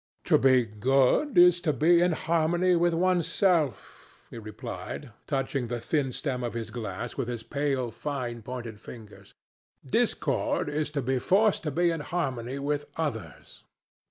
"To be good is to be in harmony with one's self," he replied, touching the thin stem of his glass with his pale, fine pointed fingers. "Discord is to be forced to be in harmony with others.